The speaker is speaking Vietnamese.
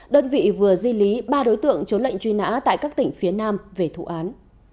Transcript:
đơn vị vừa di lý ba đối tượng trốn lệnh truy nã tại các tỉnh phía nam về thụ án